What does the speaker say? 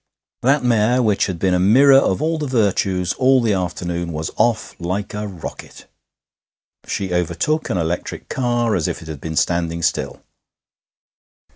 That mare, which had been a mirror of all the virtues all the afternoon, was off like a rocket. She overtook an electric car as if it had been standing still.